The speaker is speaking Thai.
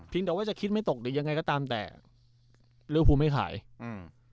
เพียงแต่ว่าจะคิดไม่ตกหรือยังไงก็ตามแต่ไม่ขายอืม